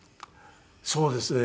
そうですね。